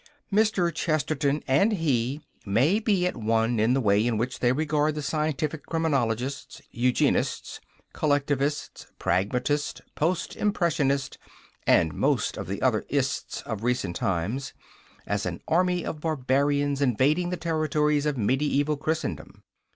Mr. Chesterton and he may be at one in the way in which they regard the scientific criminologists, eugenists, collectivists, pragmatists, post impressionists, and most of the other "ists" of recent times, as an army of barbarians invading the territories of mediaeval Christendom.